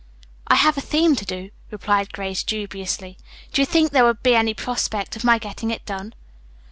"I have a theme to do," replied Grace dubiously. "Do you think there would be any prospect of my getting it done?"